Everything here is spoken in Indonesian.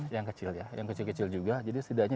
yang kecil ya yang kecil kecil juga jadi setidaknya